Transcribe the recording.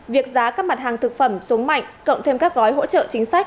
việc giá các mặt hàng thực phẩm xuống mạnh cộng thêm các gói hỗ trợ chính sách